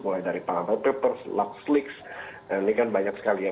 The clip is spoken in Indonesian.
mulai dari para papers luxlix ini kan banyak sekali ya